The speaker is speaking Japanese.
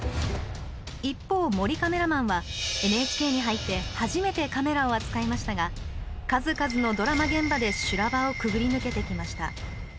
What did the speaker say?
一方、森カメラマンはＮＨＫに入って初めてカメラを扱いましたが数々のドラマ現場で修羅場をくぐり抜けてきました。